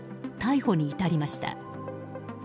逮捕に至りました。